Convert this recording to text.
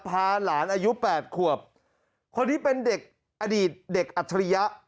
พาหลานอายุแปดขวบคนนี้เป็นเด็กอดีตเด็กอัจฉริยะ